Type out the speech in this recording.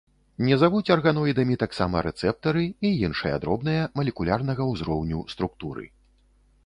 Не завуць арганоідамі таксама рэцэптары і іншыя дробныя, малекулярнага ўзроўню, структуры.